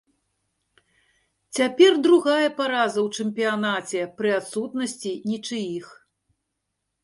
Цяпер другая параза ў чэмпіянаце пры адсутнасці нічыіх.